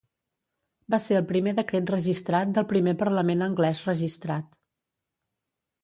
Va ser el primer decret registrat del primer parlament anglès registrat.